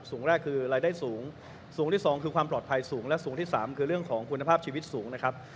สูงแรกคือรายได้สูงสูงที่สองคือความปลอดภัยสูงและสูงที่๓คือเรื่องของคุณภาพชีวิตสูงนะครับ